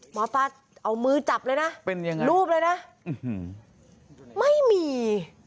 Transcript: หมอปลาเอามือจับเลยนะเป็นยังไงรูปเลยนะไม่มี